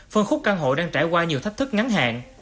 phân khúc căn hộ đang trải qua nhiều thách thức ngắn hạn